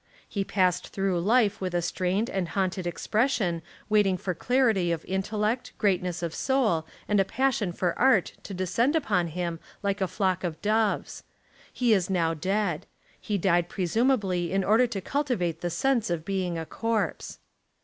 He passed through life with a strained and haunted expression waiting for clarity of intellect, greatness of soul, and a passion for art to descend upon him like a flock of doves. He Is now dead. He died presumably in order to cultivate the sense of being a corpse.